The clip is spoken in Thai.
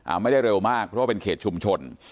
ไม่ได้เร็วมากเพราะว่าเป็นเขตชุมชน